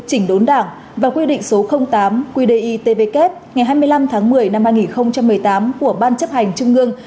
chỉnh đốn đảng và quy định số tám quy đề tvk ngày hai mươi năm tháng một mươi năm hai nghìn một mươi tám của ban chấp hành trung ương